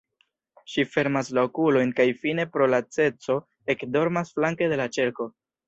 Ŝi fermas la okulojn kaj fine pro laceco ekdormas flanke de la ĉerko.